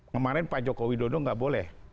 kemarin pak joko widodo nggak boleh